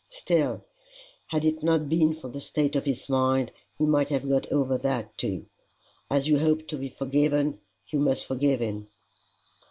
Still, had it not been for the state of his mind, he might have got over that too. As you hope to be forgiven, you must forgive him."